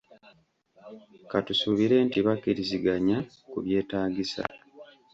Katusuubire nti bakkiriziganya ku byetaagisa.